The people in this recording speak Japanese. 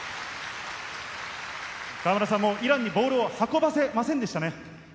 イランにボールを運ばせませんでしたね。